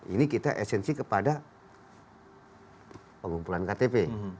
ini kita esensi kepada pengumpulan ktp